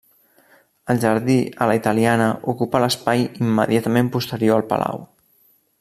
El jardí a la italiana ocupa l'espai immediatament posterior al palau.